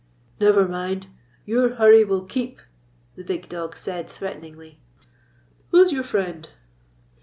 " Never mind. Your hurry will keep," the big dog said, threateningly. "'Who 's your friend?"